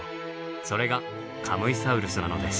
それがカムイサウルスなのです。